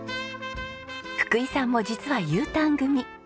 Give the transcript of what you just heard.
福井さんも実はＵターン組。